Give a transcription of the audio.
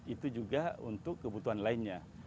itu juga untuk kebutuhan lainnya